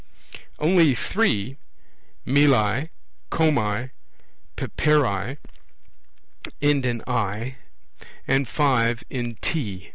Only three (meli, kommi, peperi) end in I, and five in T.